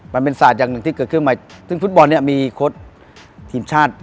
มันเป็นศาสตร์อย่างหนึ่งที่เกิดขึ้นมาซึ่งฟุตบอลเนี่ยมีโค้ดทีมชาติ